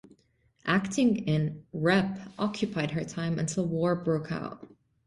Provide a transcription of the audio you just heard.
Acting in "rep" occupied her time until war broke out.